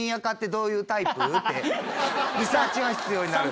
ってリサーチは必要になる。